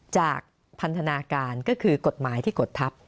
จากพันธนาการก็คือกฎหมายที่กดทัพ